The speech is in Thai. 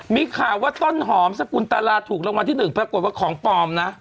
มีข่าวว่าต้นหอมสกุลตาราถูกรางวัลที่๑ปรากฏว่าของปลอมนะ